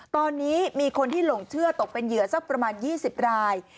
ตอนนี้มีคนที่หลงเชื่อตกเป็นเหยื่อสักประมาณ๒๐ราย